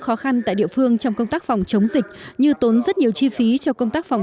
khó khăn tại địa phương trong công tác phòng chống dịch như tốn rất nhiều chi phí cho công tác phòng